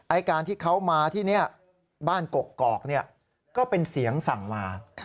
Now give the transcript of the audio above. การที่เขามาที่นี่บ้านกกอกก็เป็นเสียงสั่งมา